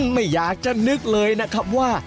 ไม่อยากจะนึกเลยนะครับว่า